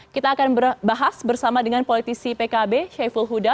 kita akan berbahas bersama dengan politisi pkb sheyful huda